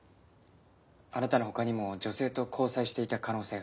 あなたの他にも女性と交際していた可能性があります。